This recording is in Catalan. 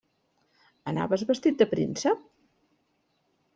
Anaves vestit de príncep?